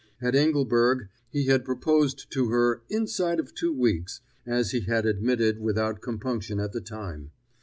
At Engelberg he had proposed to her "inside of two weeks," as he had admitted without compunction at the time.